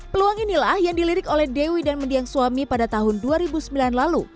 peluang inilah yang dilirik oleh dewi dan mendiang suami pada tahun dua ribu sembilan lalu